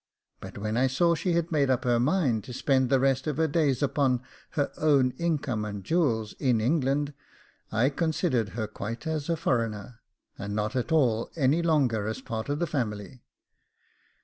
But when I saw she had made up her mind to spend the rest of her days upon her own income and jewels in England, I considered her quite as a foreigner, and not at all any longer as part of the family.